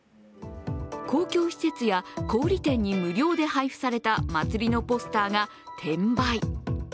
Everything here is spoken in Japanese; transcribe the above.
公共施設や小売店に無料で配布された祭りのポスターが転売。